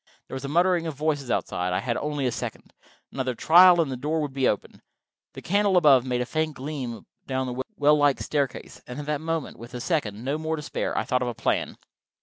There was a muttering of voices outside: I had only a second. Another trial, and the door would open. The candle above made a faint gleam down the well like staircase, and at that moment, with a second, no more, to spare, I thought of a plan.